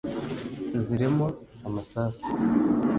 zirimo amasasu